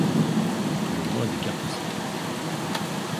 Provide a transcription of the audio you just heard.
Le moins d’écart possible.